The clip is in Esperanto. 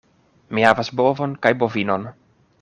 Mi havas bovon kaj bovinon.